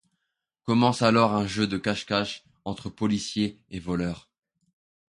Commence alors un jeu de cache-cache entre policiers et voleurs.